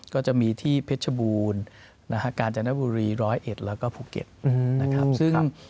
ก็จะมีที่เพชบูรณ์การจังหวัดบุรีร้อยเอ็ดแล้วก็ภูเก็ตนะครับ